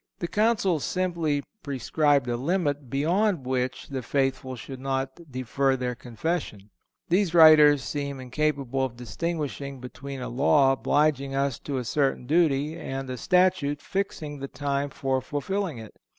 The Council simply prescribed a limit beyond which the faithful should not defer their confession. These writers seem incapable of distinguishing between a law obliging us to a certain duty and a statute fixing the time for fulfilling it.